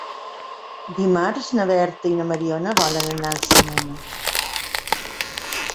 Dimarts na Berta i na Mariona volen anar al cinema.